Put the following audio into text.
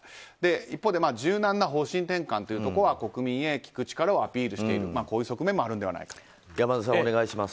一方で柔軟な方針転換というところは国民へ聞く力をアピールしているこういう側面も山田さん、お願いします。